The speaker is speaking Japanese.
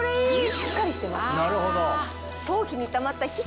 しっかりしてます。